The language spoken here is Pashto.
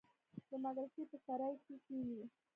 د مدرسې په سراى کښې کښېني.